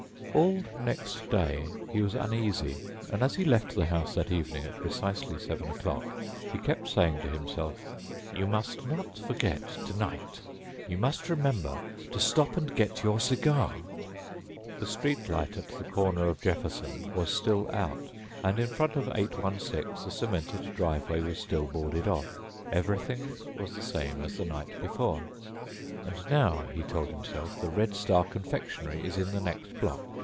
All next day he was uneasy and as he left the house that evening, at precisely seven o'clock, he kept saying to himself: "You must not forget tonight! You must remember to stop and get your cigar!" The street light at the corner of Jefferson was still out and in front of 816 the cemented driveway was still boarded off. Everything was the same as the night before. And now, he told himself, the Red Star confectionery is in the next block.